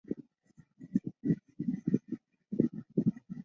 毕业于辅仁大学历史系。